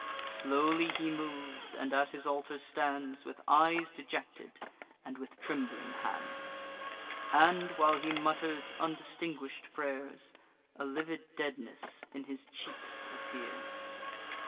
Slowly he moves, and at his altar stands With eyes dejected, and with trembling hands; And, while he mutters undistinguish'd pray'rs, A livid deadness in his cheeks appears.